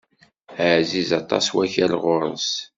Ɛziz aṭas wakal ɣur-s.